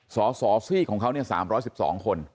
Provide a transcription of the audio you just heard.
สสของเขาเนี่ย๓๑๒คน